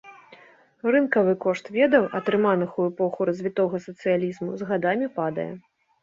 Рынкавы кошт ведаў, атрыманых у эпоху развітога сацыялізму, з гадамі падае.